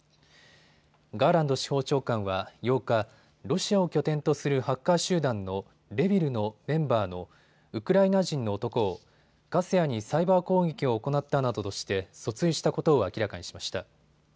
ガーランド司法長官は８日、ロシアを拠点とするハッカー集団のＲＥｖｉｌのメンバーのウクライナ人の男をカセヤにサイバー攻撃を行ったなどとして訴追したことを明らかにしました。